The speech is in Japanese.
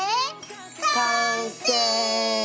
完成！